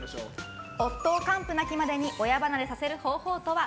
夫を完膚なきまでに親離れさせる方法とは？